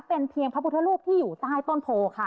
เป็นเพียงพระพุทธรูปที่อยู่ใต้ต้นโพค่ะ